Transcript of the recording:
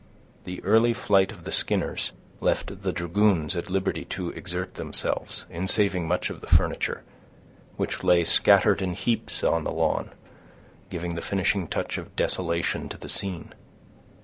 The early flight of the Skinners left the dragoons at liberty to exert themselves in saving much of the furniture, which lay scattered in heaps on the lawn, giving the finishing touch of desolation to the scene.